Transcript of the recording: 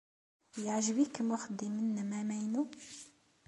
Yeɛjeb-ikem uxeddim-nnem amaynu?